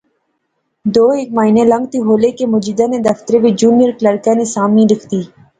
دو ہیک مہینے لنگتھے ہولے کہ مجیدے نے دفترے وچ جونیئر کلرکے نی سامی لکھتی